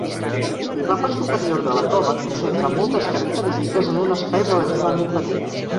La part superior de la cova concentra moltes característiques en un espai relativament petit.